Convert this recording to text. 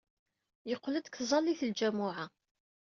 Yeqqel-d seg tẓallit n ljamuɛa.